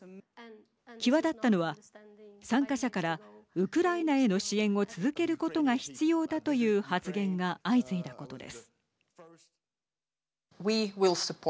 際立ったのは参加者からウクライナへの支援を続けることが必要だという発言が相次いだことです。